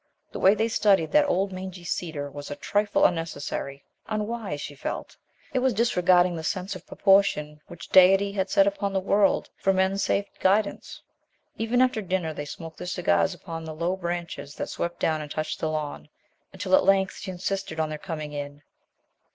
The way they studied that old mangy cedar was a trifle unnecessary, unwise, she felt. It was disregarding the sense of proportion which deity had set upon the world for men's safe guidance. Even after dinner they smoked their cigars upon the low branches that swept down and touched the lawn, until at length she insisted on their coming in.